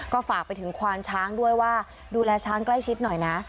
ก็ฝากไปถึงควานช้างด้วยว่าดูแลช้างใกล้ชิดหน่อยนะ